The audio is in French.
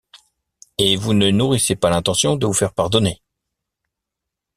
Et vous ne nourrissez pas l'intention de vous faire pardonner !